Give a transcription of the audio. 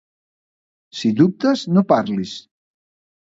Si dubtes, no parlis.